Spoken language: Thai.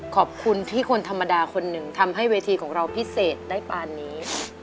ขอบคุณพี่คนธรรมดาคนหนึ่งทำให้เวทีของเราพิเศษได้ปานนี้